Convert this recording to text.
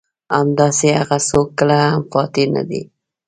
همداسې هغه څوک کله هم فاتح نه دي.